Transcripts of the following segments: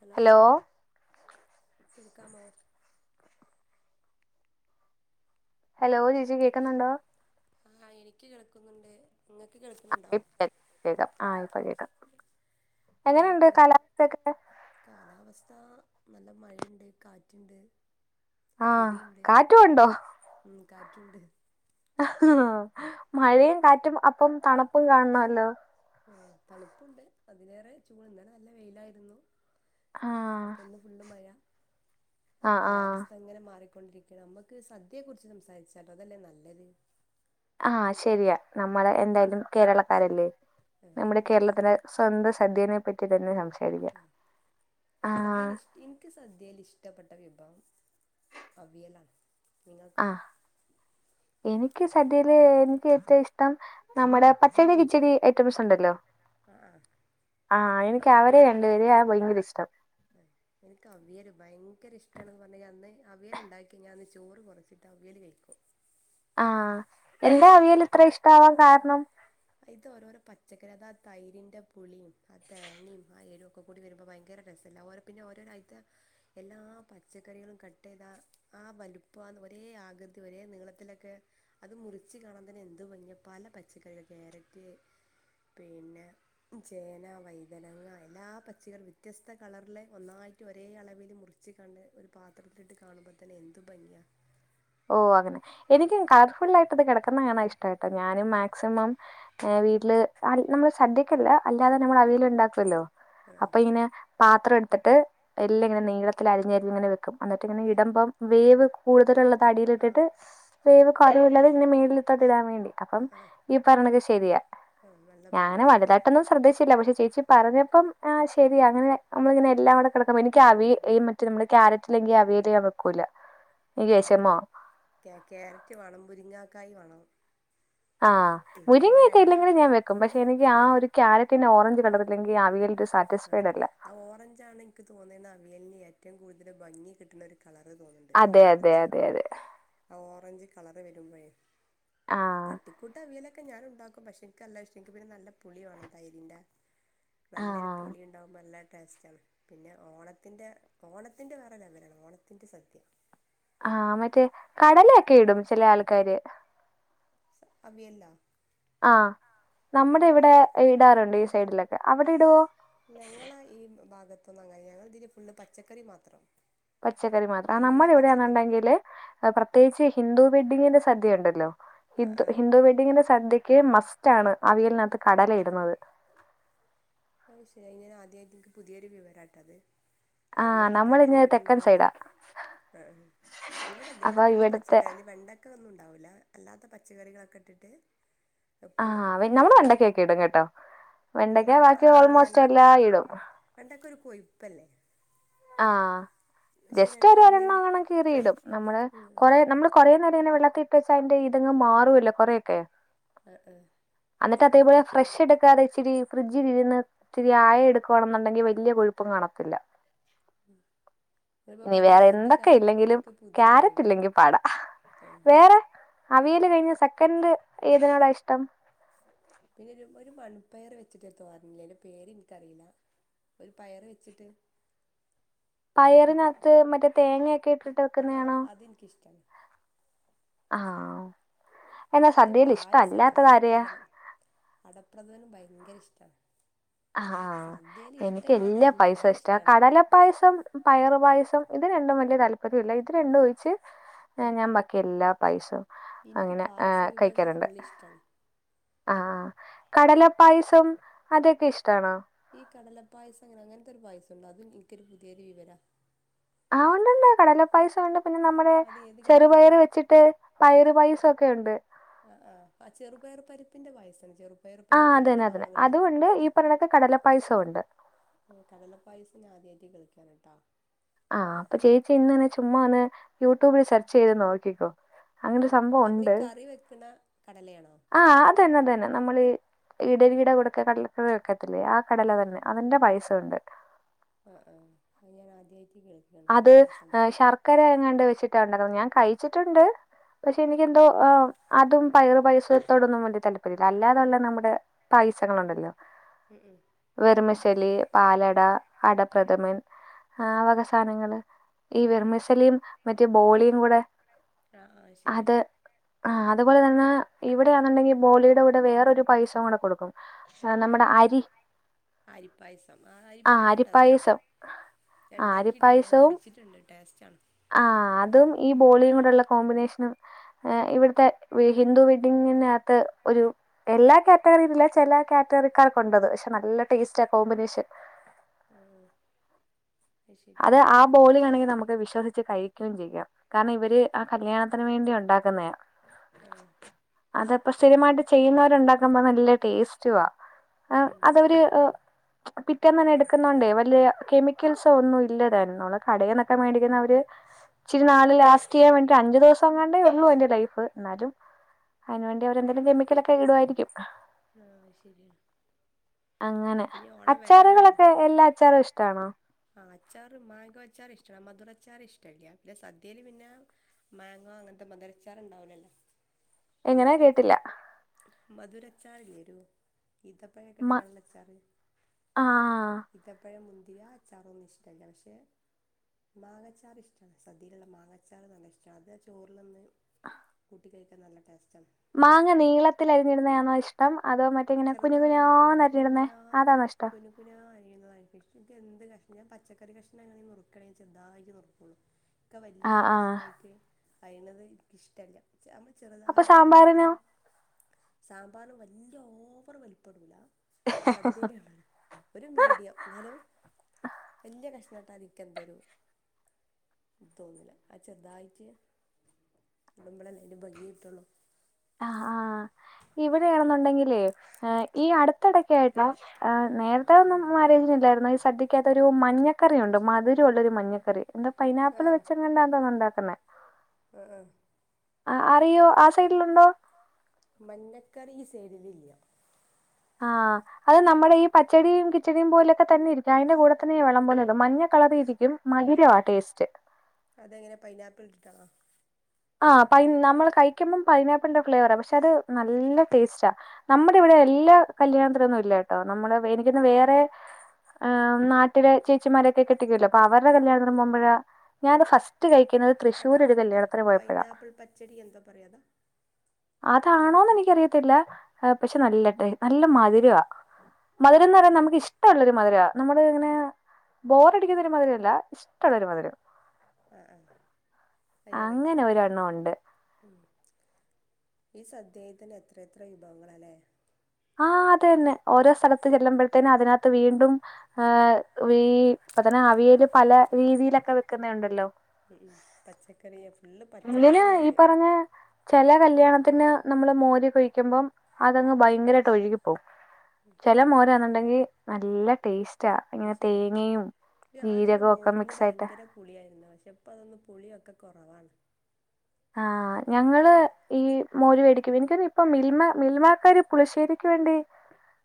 Hello കേൾക്കാമോ hello ചേചി കേൾക്കുന്നുണ്ടോ ആഹ് എനിക്ക് കേൾക്കുന്നുണ്ട് നിങ്ങൾക്ക് കേൾക്കുന്നുണ്ടോ കേൾക്കാം ആ ഇപ്പൊ കേൾക്കാം നമ്മക്ക് കാലാവസ്ഥ നല്ല മഴണ്ട് കാറ്റുണ്ട് ഇടിണ്ട് ഉം കാറ്റുംണ്ട് മഴയും കാറ്റും അപ്പം തണുപ്പും കാൺണല്ലോ ആഹ് തണുപ്പുണ്ട് അതിലേറെ ചൂട് ഇന്നലെ അല്ല വെയിലായിരുന്നു അപ്പന്ന് ഫുള്ളുമഴ കാലാവസ് തങ്ങനെ മാറിക്കൊണ്ടിരിക്കയ നമുക്ക് സദ്യയെ കുറിച്ച് സംസാരിച്ചാലോ അതല്ലേ നല്ലത് ആഹ് ശരിയാ നമ്മളെ എന്തായാലും കേരളക്കാരല്ലേ നമ്മുടെ കേരളത്തിന് സ്വന്തം സദ്യനെ പറ്റി തന്നെ സംസാരിക്കാം ആഹ് ഇൻക്ക് സദ്യയിൽ ഇഷ്ടപ്പെട്ട വിഭവം അവിയലാണ് ആഹ് എനിക്ക് സദ്യയില് എനിക്ക് ഏറ്റവും ഇഷ്ടം നമ്മുടെ പച്ചടി കിച്ചടി ഐറ്റംസ് ഉണ്ടല്ലോ ആഹ് ആഹ് ആഹ് എനിക്ക് അവരെ രണ്ടുപേരെയ ഭയങ്കര ഇഷ്ടം എനിക്ക് അവിയൽ ഭയങ്കര ഇഷ്ടാണ്ണെന്ന് പറഞ്ഞു കഴഞ്ഞാൽ അന്ന് അവിയൽണ്ടാക്കി ഞാൻ അന്ന് ചോറ് കുറച്ചിട്ട് അവിയൽ കഴിക്കും ആഹ് എന്താ അവിയൽ ഇത്ര ഇഷ്ടമാവാൻ കാരണം ഇത് ഓരോരോ പച്ചക്കറി അത് ആ തൈരിന്റെ പുളിയും ആ തേങ്ങയും ആ എരു ഒക്കെ കൂടി വരുമ്പോ ഭയങ്കര രസല്ല ഓരോ പിന്നെ ഓരോരോ ഐത്ത എല്ലാ പച്ചക്കറികളും കട്ട് ചെയ്താ ആ വലുപ്പ ഒരേ ആകൃതി ഒരേ നീളത്തിലൊക്കെ അത് മുറിച്ച് കാണാൻ തന്നെ എന്ത് ഭങ്ങിയ പല പച്ചക്കറികൾ ക്യാരറ്റ് പിന്നെ ചേന വൈതനങ്ങ എല്ലാ പച്ചികളും വ്യത്യസ്ത കളറില് ഒന്നായിട്ട് ഒരേ അളവിൽ മുറി ച്ച് കാണ്ട് ഒരു പാത്രത്തിലിട്ട് കാണുമ്പോ തന്നെ എന്തു ഭംഗിയാ ഓഹ് അങ്ങനെ എനിക്കും ഇത് കളർഫുൾ ആയിട്ട് ഇത് കിടക്കുന്ന കാണാ ഇഷ്ടട്ടോ ഞാനും മാക്സിമം ഏഹ് വീട്ടില് ആര് നമ്മള് സദ്യക്കല്ല അല്ലാതെ നമ്മൾ അവിയൽ ഉണ്ടാക്കൊല്ലോ അപ്പൊ ഇങ്ങനെ പാത്രം എടുത്തിട്ട് എല്ലാം ഇങ്ങനെ നീളത്തിൽ അരിഞ്ഞരിഞ്ഞ് ഇങ്ങനെ വെക്കും അന്നിട്ട് ഇങ്ങനെ ഇടമ്പം വേവ് കൂടുതലുള്ള തടിലിട്ടിട്ട് വേവ് കുറവില്ലാതെ ഇങ്ങനെ മേലിത്തട്ടി ഇടാൻ വേണ്ടി അപ്പം ഈ പറണെകെ ശരിയാ ഉം വെ ഞാനെ വലുതായിട്ടൊന്നും ശ്രദ്ധിച്ചില്ല പക്ഷെ ചേച്ചി പറഞ്ഞപ്പം ആഹ് ശരിയാ അങ്ങനെ നമ്മളിങ്ങനെ എല്ലാം കൂടെ കിടക്കുമ്പ ഇൻക്ക് അവി മറ്റെ നമ്മള് ക്യാര ഇല്ല ഇഞ്ഞി അവിയല് ഞാൻ വെക്കൂല. അ ആയിറ്റ് കെ ക്യാരറ്റ് വേണം മുരിങ്ങക്കായി വേണം ആഹ് മുരിങ്ങ ഒക്കെ ഇല്ലെങ്കിലും ഞാൻ വെക്കും പക്ഷെ എനിക്ക് ആ ഒരു ക്യാര- റ്റി ന്റെ ഓറഞ്ച് കളറ് ഇല്ലെങ്കിൽ അവിയലി ൻ്റെ സ ആഹ് ഓറഞ്ച് ആണ് ഇന്ക്ക് തോന്നിയത് അവിയലിന് ഏറ്റവും കൂടുതൽ ഭംഗി കിട്ടണ ഒര്- കളറ് തോന്ന്ണ്ട് അ ഓറഞ്ച് അ ഓറഞ്ച് കളറ് വരുബെഴെ തട്ടിക്കൂട്ട് അവിയലൊക്കെ ഞാനും ഉണ്ടാക്കും പക്ഷെ ക്ക് ന്നല്ലോം ഇഷ്ട്ടാ ഇൻക്ക് പിന്നെ നല്ല പുളി വേണം തൈരിന്റെ നല്ലൊരു ആവുമ്പോ ന്നല്ല ടേസ്റ്റാണ് പിന്നെ ഓണത്തിൻ്റെ ഓണത്തിൻ്റെ വേറെ ലെവലാണ് ഓണത്തിൻ്റെ സദ്യ ആഹ് മറ്റേ കടലയൊക്കെ ഇടും ചെല ആൾക്കാര് സ അവിയൽ ലാ ആഹ് ന്നമ്മടെ ഇവിടെ ഇടാറുണ്ട് ഈ സൈഡിലൊക്കെ. ഞങ്ങളെ ഈ ഭാഗത്തൊന്നും അങ്ങനെ ഇല്ല ഞങ്ങളിതില് ഫുള്ള് പച്ചക്കറി മാത്രം. പച്ചക്കറി മാത്രം ആ ന്നമ്മടെ ഇവടെ യാ ന്നുണ്ടെങ്കില് പ്രത്യേകിച്ച് ഹിന്ദു വെഡ്ഡിങ്ങിന്റെ സദ്യ ഉണ്ടല്ലോ ഹിന്ദു ഹിന്ദു വെഡ്ഡിംങ്ങിന്റെ സദ്യക്ക് മസ്റ്റ് ആണ് അവിയലിനകത്ത് കടല ഇടുന്നത്. അയ് ശെരി അയ് ഞാൻ ആദ്യായിട്ട് എനിക്ക് പുതിയൊരു വിവരാട്ടത്. അവിയൽ ല് കടല ഇടുന്നുള്ളത് ആഹ് ഇവടെ ഇല്ല ഇവിടെ ഫുള്ള് പച്ചക്കറി അതില് വെണ്ടക്ക ക്ക ഒന്നും ഉണ്ടാവൂല്ല അല്ലാത്ത പച്ചക്കറികളൊക്കെ ഇട്ടിട്ട് ഉപ്പ് ഉപ്പ് ഇട്ടിട്ട് എവട് അവയൽ ന് ഞാന് വെണ്ടക്ക ഒരു കൊയിപ്പല്ലേ? ആഹ് ജസ്റ്റ് ഒരു ഒരെണ്ണം അങ്ങാനും കീറിയിടും നമ്മള് കൊറെ നമള് കൊറേ നേരം ഇങ്ങെനെ വെള്ളത്തിലിട്ട് വെച്ച അതിന്റെ ഇതങ് മാറോല്ലൊ കൊറേ ഒക്കെ അഹ് അഹ് അന്നിട്ട് അതേപോലെ ഫ്രഷ് എടുക്കാതെ ഇച്ചിരി ഫ്രിഡ്ജിലിരുന്ന് ഇത്തിരി ആയ എടുക്കു വാണെന്നുണ്ടെങ്കി വെ- വെല്യ കൊഴുപ്പും കാണത്തില്ല ഉം ഇനി വേറെ എന്തൊക്കെ ഇല്ലെങ്കിലും ക്യാരറ്റ് ഇല്ലെങ്കി പാടാ വേറെ അവിയല് കഴിഞ്ഞ സെക്കന്റ് ഏതിനോടാ ഇഷ്ടം പിന്നെ ഒരു ഒരു വൻപ്പയർ വെച്ചിട്ട് ഒരു തോരനില്ലേ അയ്ന്റെ പേര് എനിക്കറിയില ഒരു പയറ് വെച്ച്ട്ട് പയറിനകത്ത് മറ്റേ തേങ്ങൊക്കെ ഇട്ടിട്ട് വെക്കുന്നെ യാണോ അതെനിക്ക് ഇഷ്ട്ടല്ല ആഹ് എന്നാ സദ്യയിൽ ഇഷ്ടം അല്ലാത്തത് ആരെയാ അടപ്രദമന് ഭയങ്കര ഇഷ്ടാണ്. ആഹ് എനിക്ക് എല്ലാ പായസോം ഇഷ്ടാ കടല പായസം പയറ് പായസം ഇത് രണ്ടും വല്യ താല്പര്യം ഇല്ല ഇത് രണ്ടും ഒഴിച്ച് ഞ ഞാൻ ബാക്കി എല്ലാ പായസോം അങ്ങനെ ഏ കഴിക്കാറുണ്ട് ആഹ് കടല പായസം അതൊക്കെ ഇഷ്ടാണോ? ഈ കടലപ്പായസം അങ്ങനെ അങ്ങനത്തൊരു പായസം ഉണ്ടോ അതും എനിക്കൊരു പുതിയൊരു വിവരാ ആഹ് ഉണ്ട് ഉണ്ട് കടലപ്പായസം ഉണ്ട് പിന്നെ ന്നമ്മടെ ചെറുപയറ് വെച്ചിട്ട് പയറ് പായസൊക്കെ ഉണ്ട് അഹ് ആ അ ചെറുപയർ പരിപ്പിന്റെ പായസം ചെറു- ആഹ് അതന്നെ അതന്നെ അതും ഉണ്ട് ഈ പറഞ്ഞൊണൊക്കെ കടലപ്പായസോം ഉണ്ട് ഉം കടലപ്പായസം ഞാൻ ആദ്യ ആയിട്ട് കേൾക്കാണ് ട്ടൊ ആഹ് അപ്പൊ ചേച്ചി ഇന്നന്നെ ചുമ്മാ ഒന്ന് യൂട്യൂബിൽ സെർച്ച് ചെയ്ത് നോക്കിക്കോ ഉം അമ്മളീ കറി വെക്ക്ണ കടലേണോ? ആഹ് അതന്നെ അതന്നെ നമ്മളീ ഇടലീടെ കൂടെക്കാ കടലക്കറി വെക്കത്തില്ലേ ആ കടല തന്നെ അതിന്റെ പാസവുണ്ട് ആ ആഹ് അത് ഞാൻ ആദ്യായിറ്റ് കേൾ അത് ശർക്കര എങ്ങാണ്ട് വെച്ചിട്ടാ ഉണ്ടാക്കുന്നെ ഞാൻ കഴിച്ചിട്ടുണ്ട് പക്ഷെ എനിക്ക് എന്തോ അതും പയറു പയസത്തോടൊന്നും വല്യ താല്പര്യല്ല അല്ലാതൊള്ളെ നമ്മടെ പായസങ്ങളുണ്ടല്ലോ ഉം ഉം വെർമിസെല്ലി, പാലട, അടപ്രഥമൻ, ആവക സാ നങ്ങള് ഈ വെർമിസെല്ലിം മറ്റേ ബോളിം കൂടെ അത് ആ അതുപോലെ തന്നെ ഇവിടെയാന്നുണ്ടെങ്കി ബോളിടെ കൂടെ വേറൊരു പായസം കൂടെ കൊടുക്കും സാ നമ്മടെ അരി അരിപ്പായസം ആ അരിപ്പായസം ടെസ്റ്റ, അരിപ്പായസം, പക്ഷെ ഇണ്ടാക്കി ട്ടില്ല ഞാ കുടിച്ചിട്ടുണ്ട് ടേസ്റ്റ് ആണ് ആഹ് അതും ഈ ബോളിയും കൂടെള്ള കോമ്പിനേഷനും ഏഹ് ഇവിടുത്തെ ഹിന്ദു വെഡ്ഡിങ്ങിനകത്ത് ഒരു എല്ലാ കാറ്റഗറിയിലില്ല ചെല കാറ്റഗറിക്കാർക്കൊണ്ടത് പക്ഷെ നല്ല ടേസ്റ്റ കോമ്പിനേഷൻ ഉം അത് ആ ബോളിയാണെങ്കി നമുക്ക് വിശ്വസിച്ച് കഴിക്കുയും ചെയ്യാം കാരണം ഇവര് അ കല്യാണത്തിന് വേണ്ടി ഒണ്ടാക്കുന്നയാ ആഹ് അതപ്പോ സ്ഥിരമായിട്ട് ചെയ്യുന്നവരുണ്ടാക്കുമ്പോ നല്ല ടേസ്റ്റുവാ ആഹ് അതവര് പിറ്റേന്നെന്നെ എടുക്കുന്നോണ്ടേ വല്യ കെമിക്കൽസ് ഒന്നും ഇല്ലതാനും നമ്മള് കടേന്നൊക്കെ മേണ്ടിക്കുന്ന അവര് ഇച്ച് രി നാള് ലാസ്റ്റ് ചെയ്യാൻ വേണ്ടീട്ട് അഞ്ച് ദിവസങ്ങാണ്ടേ ഒള്ളു അതിന്റെ ലൈഫ് എന്നാലും അതിനുവേണ്ടി അവരെന്തേലും കെമിക്കലൊക്കെ ഇടുവായിരിക്കും ആഹ് ശരിയാ അങ്ങനെ അച്ചാറുകളൊക്കെ എല്ലാ അച്ചാറും ഇഷ്ടവാണോ ആഹ് അച്ചാറ് മാങ്കോ അച്ചാർ ഇഷ്ട മധുര അച്ചാർ ഇഷ്ടല്ല പിന്നെ സദ്യയില് പിന്നെ മാങ്കോ അങ്ങത്തെ മധുരച്ചാർ ഇണ്ടാവുലല്ലോ ഒന്ന് തൊട്ട് മധുരച്ചാറില്ലേ ഒരു ഈത്തപ്പഴൊക്കെ ഇട്ട്ക്കാണ്ട്ള്ള അച്ചാറ് ആഹ് ആ ഇത്തപ്പഴം മുന്തിരി ആ അച്ചാറൊന്നും ഇഷ്ടല്ല പക്ഷേ മാങ്ങച്ചാറ് ഇഷ്ട്ടാ സദ്യയിലുള്ള മാങ്ങച്ചാർ നല്ല ഇഷ്ട അത് ആ ചോറിലൊന്ന് കൂട്ടി കഴിക്കാൻ നല്ല ടേസ്റ്റാണ് മാങ്ങ നീളത്തിൽ അരിഞ്ഞിടുന്നതാന്നോ ഇഷ്ടം അതോ മറ്റ മറ്റെങ്ങനെ കുനു കുനാന്നരിഞ്ഞിടുന്നേ അതാണോ ഇഷ്ടം കുനുകുനാ അരിയുന്നതാ എനിക്കിഷ്ടം എനിക്കെന്ത് കഷ് ഞാ പച്ചക്കറി കഷ്ണം അങ്ങനെ നുറുക്കണേ ചെറുതായിറ്റ് നുറുക്കൊള്ളൂ ഒക്കെ വല്ല്യ കഷ്ണായിറ്റ് കയണത് ഇനിക്കിഷ്ടല്ല ചമ്മ ചെറുതായിറ്റ് പച്ചക്കറി സാമ്പാർ വല്ല ല്ല്യ ഓവറ് വലിപ്പടൂല സദ്യയിലാണാലൊ ഒരു മീഡിയം ഇന്നാലും വല്ല്യ കഷ്ണട്ടാല് ഇക്കെന്തൊരു തോന്നൂല അത് ചെർതായിറ്റ് ഇടുമ്പളെല്ലെ അയിന് ഭംഗി കിട്ടൊള്ളു ആ ആഹ് ഇവിടെയാണെന്നുണ്ടെങ്കിലേ ഏഹ് ഈ അടുത്തിടെക്കെ ആയിട്ട ആഹ് നേരത്തെ ഒന്നും മാരേജിനില്ലാരുന്നു ഈ സദ്യക്കാത്തൊരു മഞ്ഞക്കറിയോണ്ട് മധുരവോള്ളോരു മഞ്ഞക്കറി എന്തോ പൈനാപ്പിള് വെച്ചങ്ങാണ്ട തോന്ന് ഒണ്ടാക്കുന്നേ ആഹ് ആഹ് ആഹ് അറിയോ ആ സൈഡിലുണ്ടോ? മഞ്ഞക്കറി ഈ സൈഡിലില്ല. ആഹ് അത് നമ്മുടെ ഈ പച്ചടിയും കിച്ചടിയും പോലൊക്കെ തന്നെ ഇരിക്കും അതിന്റെ കൂടെ തന്നെയാ വെള്ളം പോലെ അത് മഞ്ഞ കളറിയിരിക്കും മധുരവാ ടേസ്റ്റ് അതെങ്ങനെ പൈനാപ്പിൾ ഇട്ടിട്ടാ? ആ പൈ നമ്മള് കഴിക്കുമ്പം പൈനാപ്പിളിന്റെ ഫ്ലേവറ പക്ഷെ അത് നല്ല ടേസ്റ്റാ. നമ്മടെ ഇവിടെ എല്ലാ കല്യാണത്തിനൊന്നും ഇല്ല കേട്ടോ നമ്മള് എനിക്കൊന്ന് വേറെ ആഹ് നാട്ടിലെ ചേച്ചിമാരൊക്കെ കെട്ടിക്കുലോ അപ്പൊ അവരടെ കല്യാണത്തിന് പോകുമ്പോഴ ഞാൻ ഇത് ഫസ്റ്റ് കഴിക്കുന്നത് തൃശ്ശൂര് ഒരു കല്യാണത്തിന് പോയപ്പഴ പൈനാപ്പിൾ പച്ചടി എന്താ പറയാതാ അതിന്റെ പേര് ത്തില്ല പക്ഷെ നല്ല നല്ല മധുരവാ മധുരം എന്ന് പറയ നമുക്ക് ഇഷ് ട്ടവോള്ളൊരു മധുരവാ നമ്മള് ഇങ്ങനെ ബോറടിക്കുന്ന ഒരു മധുരവല്ല ഇഷ്ടള്ളൊരു മധുരം ആഹ് ആഹ് അത് ഞാൻ കഴിച്ചിട്ടില്ല ഉം ഈ സദ്യെ തന്നെ എത്ര എത്ര വിഭവങ്ങളാ അല്ലേ? ആഹ് അത തന്നെ ഓരോ സ്ഥലത്ത് ചെല്ലുമ്പഴത്തേനും അതിനത്ത് വീണ്ടും ഏഹ് ഈ ഇപ്പൊ തന്നെ അവിയല് പല രീതിയിലെക്കെ വെക്കുന്ന ഒണ്ടല്ലോ ഉം ഉം പച്ചക്കറിയാ ഫുള്ള് പച്ചക്കറിയാണ് അയില് ചെല കല്യാണത്തിന് നമ്മള് മോര് ഒഴിക്കുമ്പം അതങ്ങ് ഭയങ്കരായിട്ട് ഒഴുകിപ്പോവും ചെല മോരെന്നുണ്ടെങ്കി നല്ല ടേ സ്റ്റാ ഇങ്ങനെ തേങ്ങേയും ജീരകോം ഒക്കെ മിക്സായിട്ട് പുളിയാരുന്നു പക്ഷേ ഇപ്പ അതൊന്ന് പുളിയൊക്കെ കൊറവാണ് ആഹ് ഞങ്ങള് [unintelligible] ഈ മോര് മേടിക്കും എനിക്കൊന്ന് ഇപ്പ മിൽമ മിൽമാക്കാര് പുളിശ്ശേരിക്ക് വേണ്ടി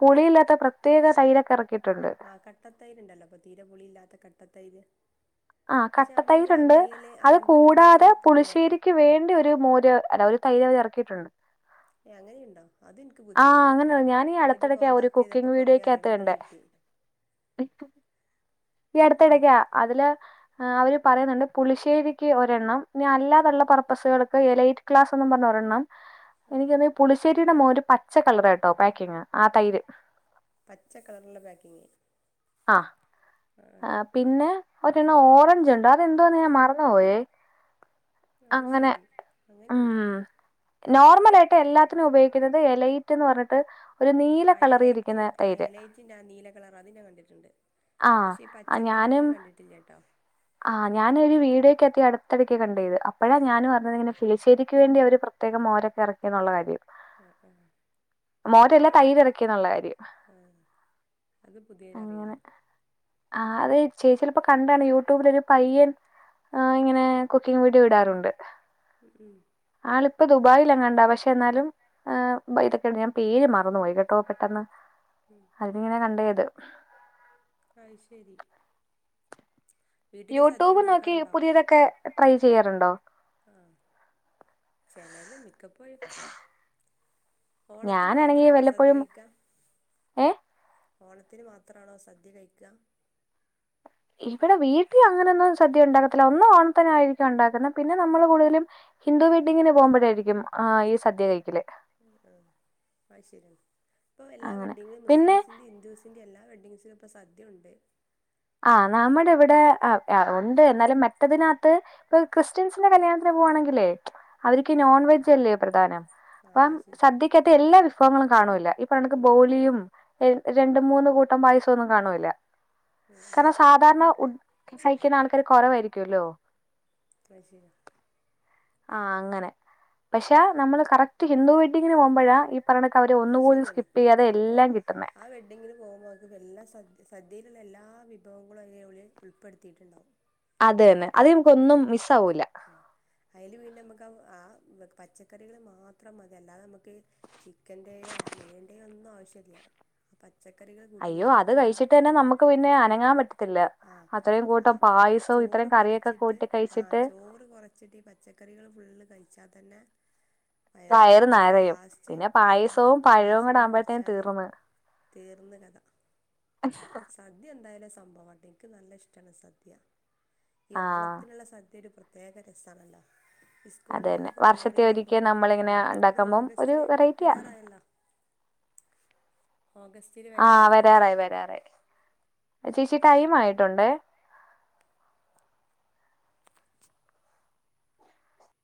പുളിയില്ലാത്ത പ്രത്യേക തൈരൊക്കെ എറക്കിട്ടോണ്ട് കട്ടത്തൈര്ണ്ടല്ലോ അപ്പൊ തീരപുളി ഇല്ലാത്ത കട്ടത്തൈര് പക്ഷെ നമ്മളി അവിയല് അങ്ങനത്തൊക്കെ ഇണ്ടാക്കുമ്പോ പുളി വേണം ക്ക് വേണ്ട ഒരു മോര് അല്ല ഒരു തൈര് അവര് എറക്കിട്ടോണ്ട് അങ്ങനെയുണ്ടോ അത് എനിക്ക് പുതിയ അറിവാണ് [unintelligible] കോൺടാക്ട് ചെയ്തപ്പോ കൊറെ അറിവുകള് കിട്ടി ഈ അടുത്തിടക്കാ അതില് അവർ പറയുന്നോണ്ട് പുളിശ്ശേരിക്ക് ഒരെണ്ണം ഇനി അല്ലാതുള്ള പർപ്പസുകൾക്ക് എലയ്റ്റ് ക്ലാസ് എന്ന് പറഞ്ഞ ഒരെണ്ണം എനിക്ക് തോന്നുന്നു പുളിശ്ശേരിടെ മോര് പച്ച കളർ കേട്ടോ പാക്കിങ് ആ തൈര് പച്ച കളറിലെ പാക്കിങ് ആഹ് ആ പിന്നെ ഒരണ്ണം ഓറഞ്ച് ഒണ്ട് അത് എന്തോവന്ന് ഞാൻ മറന്നുപോയേ അങ്ങനെ ഉം നോർമലായിട്ട് എല്ലാത്തിനും ഉപയോഗിക്കുന്നത് എലൈറ്റ് എന്ന് പറഞ്ഞിട്ട് ആഹ് എലൈറ്റ് ആഹ് എലൈറ്റിന്റെ ആ നീല കളർ അത് ഞാൻ കണ്ടിട്ടോണ്ട് പക്ഷേ ഈ പ ച്ചക്കളറ് ഞാൻ കണ്ടിട്ടില്ല കേട്ടോ ആഹ് ഞാനു ഒരു വീഡിയോക്കത്ത് ഈ അടുത്തടയ്ക്ക് കണ്ട്ത് അപ്പോഴാ ഞാനു അറിഞ്ഞത് ഇങ്ങനെ പുളിശ്ശേരിക്ക് വേണ്ടി അവര് പ്ര ത്യേകം മോരക്കെ എറക്കിന്നോള്ള കാര്യം ആഹ് ആഹ് മോന് ഇന്ന് [unintelligible] ആഹ് അത് പുതിയൊരു അറിവാണ് ആഹ് അത് ചേച്ചി ചെലപ്പം കണ്ട് കാണും യൂറ്റ് യൂട്യൂബിലൊരു പയ്യൻ ആഹ് ഇങ്ങനെ കുക്കിംഗ് വീഡിയോ ഇടാറുണ്ട് ഉം ഉം ആളിപ്പ ദുബായിലെങ്ങാണ്ടാ പക്ഷേ എന്നാലും ആഹ് [unintelligible] ഞാൻ പേര് മറന്നു പോയി കോട്ടോ പെട്ടെന്ന് ഉം അതിങ്ങനെ കണ്ടെയ്ത് അയ് ശെരി യൂട്യൂബ് നോക്കി പുതിയതൊക്കെ ട്രൈ ചെയ്യാറുണ്ടോ? ആഹ് ചെലേത് മിക്കപ്പോഴും ഓണത്തിന് മാത്രാണോ സദ്യ കഴിക്കാ? ഓണത്തിന് മാത്രാണോ സദ്യ കഴിക്കാ? ഇവിടെ വീട്ടി അങ്ങനെയൊന്നും സദ്യ ഒണ്ടാക്കത്തില്ലാ ഒന്ന് ഓണത്തിനായിരിക്കും ഒണ്ടാക്കുന്നെ പിന്നെ നമ്മള് കൂടുതലും ഹിന്ദു വെഡിങ്ങിന് പോകുമ്പഴായിരിക്കും ആഹ് ഈ സദ്യ കഴിക്കല് ആഹ് ആഹ് അയ് ശരിയാണ് ഇപ്പൊ എല്ലാ വെഡ്ഡിങ്ങും മുസ്ലിംസിന്റെ ഹിന്ദൂസ് ൻ്റെ എല്ലാ വെഡിംഗ്സിനും ഇപ്പം സദ്യ ഒണ്ട് ആഹ് നമ്മടെ ഇവിടെ ആഹ് ആഹ് ഒണ്ട് എന്നാലും മറ്റതിനാത്ത് ഇപ്പൊ ക്രിസ്ത്യൻസിന്റെ കല്യാണത്തിന് പോവാണെങ്കിലെ അവര്ക്കീ നോൺ വെജ് അല്ലേ പ്രധാനം അപ്പം സദ്യക്കാത്തെ എല്ലാ വിഭവങ്ങളും കാണൂല്ലാ ഈ പറഞ്ഞ കണക്ക് ബോളിയും ഏഹ് രണ്ട് മൂന്ന് കൂട്ടം പായസൊന്നും കാണൂല്ലാ കാരണം സാധാരണ [unintelligible] സഹിക്കുന്ന ആൾക്കാര് കൊറവായിരിക്കുവല്ലോ അത് ശരിയാ ആഹ് അങ്ങനെ പക്ഷെ നമ്മള് കറക്റ്റ് ഹിന്ദു വെഡ്ഡിങ്ങിന് പോകുമ്പഴാ ഈ പറഞ്ഞ കണക്ക് അവര് ഒന്നു പോലും സ്കിപ്പ് ചെയ്യാതെ എല്ലാം കിട്ടുന്നേ ഡിംങ്ങിന് പോകുമ്പോ [unintelligible] എല്ലാ സദ്യ സദ്യയിലുള്ള എല്ലാ വിഭവങ്ങളും അയില് ഓല് ഉൾപ്പെടുത്തിയിട്ടുണ്ടാവും അത് തന്നെ അതീ നമ്മക്കൊന്നും മിസ്സാവൂലാ ആഹ് അയില് പിന്നെ നമ്മക്ക് ആ ആഹ് പച്ചക്കറികള് മാത്രം മതി അല്ലാതെ നമ്മക്ക് ചിക്കന്റെയോ മീനിന്റെയോ ഒന്നും ആവശ്യല്ലാ ആ പച്ചക്കറികൾ കൂട്ടി ലാസ്റ്റ് ആ അത് കഴിച്ചിട്ട് നമ്മക്ക് പിന്നെ അനങ്ങാൻ പറ്റത്തില്ലാ ആഹ് ആഹ് ചോറ് കൊറച്ചിട്ട് ആഹ് ചോ ചോറ് കൊറച്ചിട്ട് ഈ പച്ചക്കറികൾ ഫുള്ള് കഴിച്ചാ തന്നെ വയറ് നെറഞ്ഞ് എന്നിട്ട് ലാസ്റ്റ് ആ പായസം കൂടി കുടിച്ചാല് തീർന്ന് കഥ അഷ സദ്യ എന്തായാലും സംഭവാട്ടാ ഇനിക്ക് നല്ല ഇഷ്ട്ടാണ് സദ്യാ ഈ ഓണത്തിനുള്ള സദ്യ ത്തിയൊരു പ്രത്യേക രസാണല്ലോ ഇസ് സ്കൂളുകളിലൊക്കെ പരിപാടി ഇണ്ടാവുമ്പളെ ഉം അത് ഓഗസ്റ്റില് വെരാറായല്ലോ ആഹ് വെരാറായി വെരാറായി ആഹ് ചേച്ചി ടൈം ആയിട്ടൊണ്ടെ